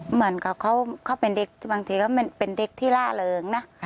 เหมือนกับเขาเป็นเด็กบางทีเขาเป็นเด็กที่ล่าเริงนะ